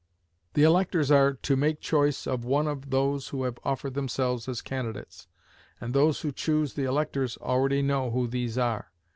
The electors are to make choice of one of those who have offered themselves as candidates, and those who choose the electors already know who these are.